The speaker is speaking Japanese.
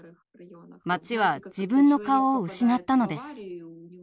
町は自分の顔を失ったのです。